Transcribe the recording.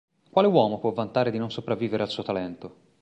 Quale uomo può vantare di non sopravvivere al suo talento?